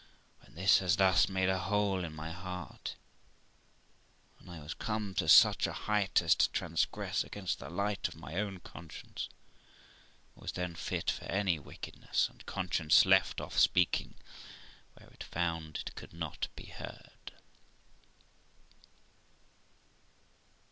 When this had thus made a hole in my heart, and I was come to such a height as to transgress against the light of my own conscience, I was then THE LIFE OF ROXANA 2IQ fit for any wickedness, and conscience left off speaking where it found it could not be heard.